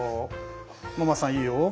ママさんいいよ。